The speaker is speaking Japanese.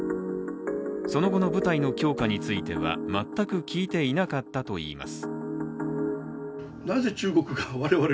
その後の部隊の強化については全く聞いていなかったといいます。